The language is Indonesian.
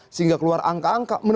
sehingga keluar angka angka